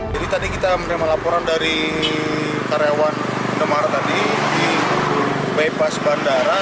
jadi tadi kita mendapat laporan dari karyawan pendemar tadi di bebas bandara